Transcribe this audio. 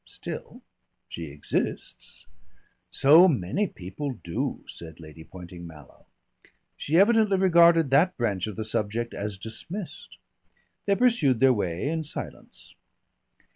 Still she exists." "So many people do," said Lady Poynting Mallow. She evidently regarded that branch of the subject as dismissed. They pursued their way in silence.